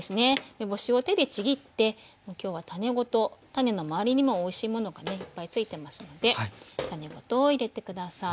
梅干しを手でちぎってもう今日は種ごと種の回りにもおいしいものがねいっぱいついてますので種ごとを入れて下さい。